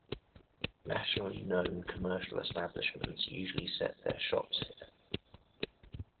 Nationally known commercial establishments usually set their shops here.